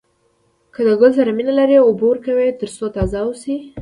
که د ګل سره مینه لرئ اوبه ورکوئ تر څو تازه واوسي.